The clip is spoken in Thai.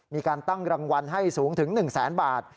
มีการตั้งรางวัลให้สูงถึง๑แสนบาท